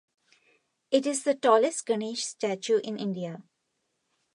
It is the tallest Ganesh statue in India.